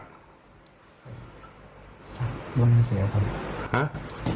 สักเบื้องก็เสียครับ